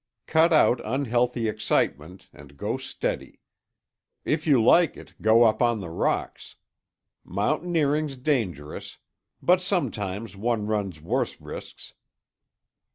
Cut out unhealthy excitement and go steady. If you like it, go up on the rocks. Mountaineering's dangerous, but sometimes one runs worse risks."